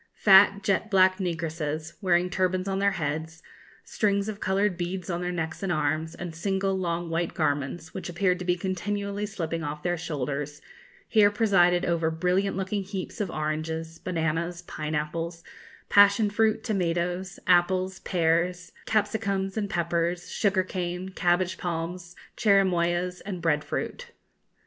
Fat, jet black negresses, wearing turbans on their heads, strings of coloured beads on their necks and arms, and single long white garments, which appeared to be continually slipping off their shoulders, here presided over brilliant looking heaps of oranges, bananas, pineapples, passion fruit, tomatoes, apples, pears, capsicums and peppers, sugar cane, cabbage palms, cherimoyas, and bread fruit.